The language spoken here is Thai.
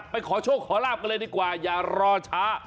ขอโชคขอลาบกันเลยดีกว่าอย่ารอช้า